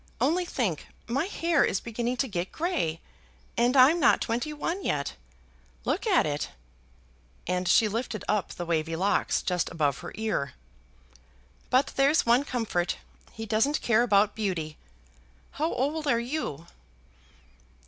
Only think, my hair is beginning to get grey, and I'm not twenty one yet. Look at it;" and she lifted up the wavy locks just above her ear. "But there's one comfort; he doesn't care about beauty. How old are you?"